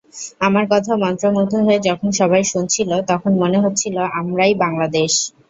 আমার কথা মন্ত্রমুগ্ধ হয়ে যখন সবাই শুনছিল, তখন মনে হচ্ছিল, আমরাই বাংলাদেশ।